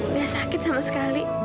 gak sakit sama sekali